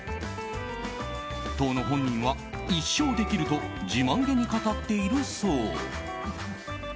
当の本人は一生できると自慢げに語っているそう。